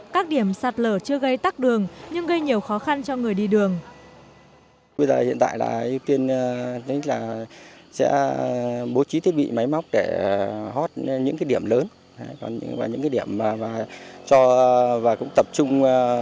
các điểm sạt lở chưa gây tắc đường nhưng gây nhiều khó khăn cho người đi đường